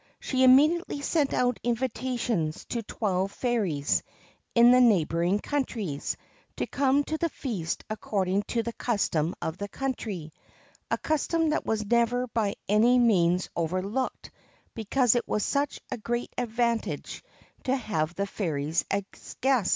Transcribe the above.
She immediately sent out invitations to twelve fairies in the neighbouring countries to come to the feast according to the custom of the country a custom that was never by any means overlooked, because it was such a great advantage to have the fairies as guests.